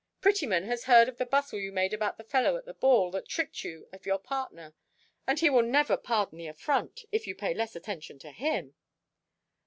Prettyman has heard of the bustle you made about the fellow at the ball, that tricked you of your partner; and he will never pardon the affront, if you pay less attention to him."